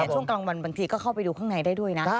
ช่วงกลางวันบางทีก็เข้าไปดูข้างในได้ด้วยนะ